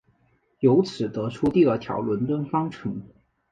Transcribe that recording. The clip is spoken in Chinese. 由此得出第二条伦敦方程。